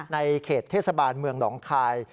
ในเขตเทศบาลเมืองหนองคาย